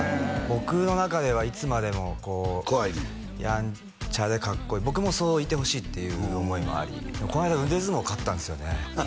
僕の中ではいつまでもヤンチャでかっこいい僕もそういてほしいっていう思いもありこの間腕相撲勝ったんですよね